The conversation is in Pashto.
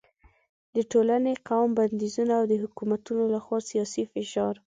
د ټولنې، قوم بندیزونه او د حکومتونو له خوا سیاسي فشار